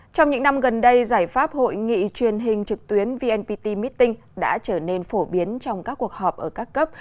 trong những năm gần đây giải pháp hội nghị truyền hình trực tuyến vnpt meeting đã trở nên phổ biến trong các cuộc họp ở các cấp